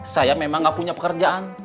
saya memang gak punya pekerjaan